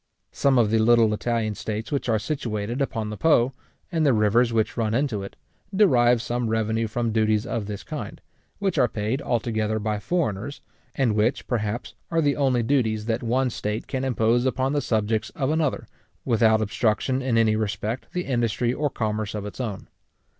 Some of the little Italian states which are situated upon the Po, and the rivers which run into it, derive some revenue from duties of this kind, which are paid altogether by foreigners, and which, perhaps, are the only duties that one state can impose upon the subjects of another, without obstruction in any respect, the industry or commerce of its own.